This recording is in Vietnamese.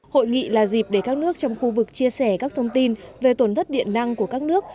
hội nghị là dịp để các nước trong khu vực chia sẻ các thông tin về tổn thất điện năng của các nước